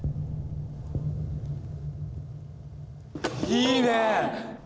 いいね！